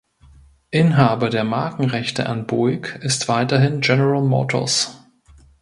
Inhaber der Markenrechte an Buick ist weiterhin General Motors.